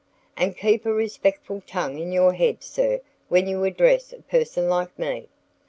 And keep a respectful tongue in your head, sir, when you address a person like me."